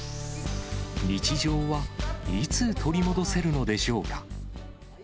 日常は、いつ取り戻せるのでしょうか。